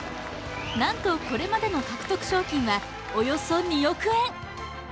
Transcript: なんと、これまでの獲得賞金はおよそ２億円。